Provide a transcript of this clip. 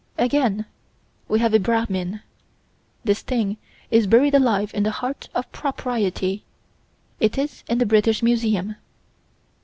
Again we have a Brahmin. This thing is buried alive in the heart of propriety: it is in the British Museum.